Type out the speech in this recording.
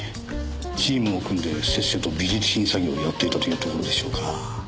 チームを組んでせっせと美術品詐欺をやっていたというところでしょうか。